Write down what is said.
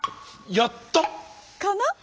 やった？かな？